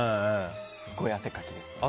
すごい、汗かきですね。